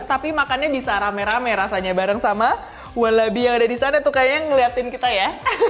tapi makannya bisa rame rame rasanya bareng sama walabi yang ada di sana tuh kayaknya ngeliatin kita ya